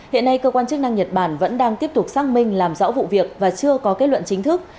hiện nay cơ quan chức năng nhật bản vẫn đang tiếp tục xác minh làm rõ vụ việc và chưa có kết luận chính thức